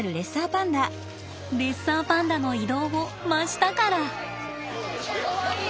レッサーパンダの移動を真下から！